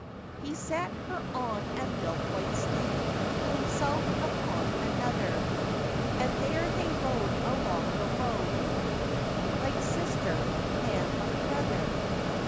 He set her on a milk white steed, Himself upon another; And there they rode along the road, Like sister, and like brother.